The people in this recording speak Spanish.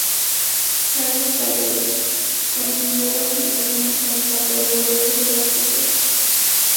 Charles Babbage concibió la computación mecánica, pero logró que diera frutos.